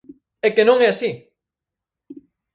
¡É que non é así!